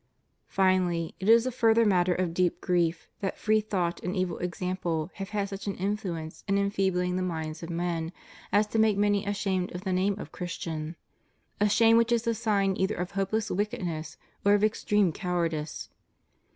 Finally, it is a further matter of deep grief that free thought and evil example have had such an influence in enfeebling the minds of men as to make many ashamed of the name of Christian — a shame which is the sign either of hopeless wickedness or of extreme cowardice.